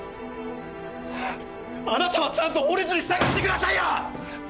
あなたはちゃんと法律に従ってくださいよ！